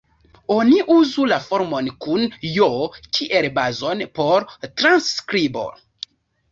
Oni uzu la formon kun "j" kiel bazon por transskribo.